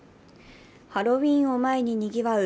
ハロウィーンを前ににぎわう